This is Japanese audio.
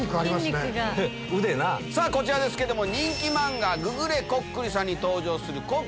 こちらですけども。